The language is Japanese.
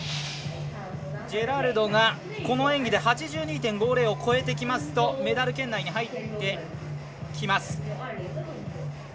ジェラルドがこの演技で８２．５０を超えてきますとメダル圏内に入ってきます。